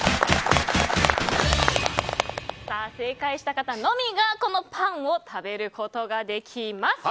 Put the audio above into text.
正解した方のみがこのパンを食べることができます。